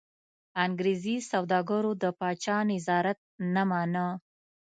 انګرېزي سوداګرو د پاچا نظارت نه مانه.